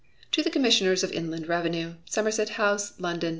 "To the Commissioners of Inland Revenue, Somerset House, London.